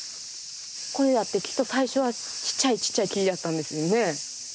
これだってきっと最初はちっちゃいちっちゃい木やったんですよね。